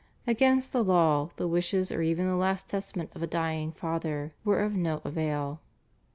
Against the law, the wishes or even the last testament of a dying father were of no avail.